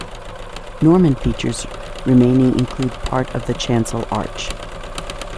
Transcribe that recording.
Norman features remaining include part of the chancel arch.